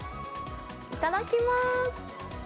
いただきます。